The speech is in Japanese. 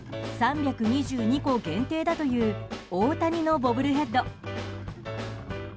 ３２２個限定だという大谷のボブルヘッド。